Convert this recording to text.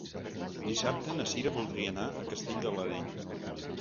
Dissabte na Cira voldria anar a Castell de l'Areny.